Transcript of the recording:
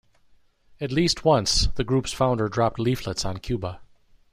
At least once, the group's founder dropped leaflets on Cuba.